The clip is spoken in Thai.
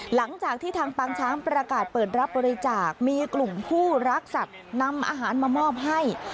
หลังจากที่ทางปางช้างประกาศเปิดรับบริจาคมีกลุ่มผู้รักสัตว์นำอาหารมามอบให้